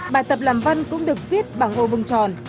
bài tập làm văn cũng được viết bằng ô vng tròn